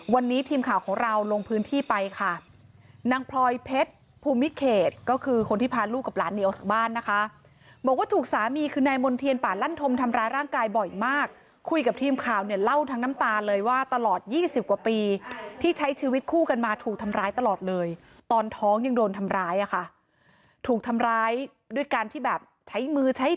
วันนี้ทีมข่าวของเราลงพื้นที่ไปค่ะนางพลอยเพชรภูมิเขตก็คือคนที่พาลูกกับหลานหนีออกจากบ้านนะคะบอกว่าถูกสามีคือนายมณ์เทียนป่าลั่นธมทำร้ายร่างกายบ่อยมากคุยกับทีมข่าวเนี่ยเล่าทั้งน้ำตาเลยว่าตลอดยี่สิบกว่าปีที่ใช้ชีวิตคู่กันมาถูกทำร้ายตลอดเลยตอนท้องยังโดนทำร้ายอ่ะค่ะถูกทำร้ายด้วยการที่แบบใช้มือใช้